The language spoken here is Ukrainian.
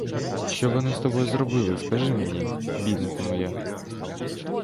Що вони з тобою зробили, скажи мені, бідна ти моя?